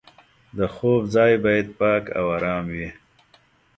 د خوب ځای باید پاک او ارام وي.